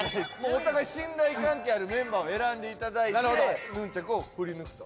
お互い信頼関係あるメンバーを選んで頂いてヌンチャクを振り抜くと。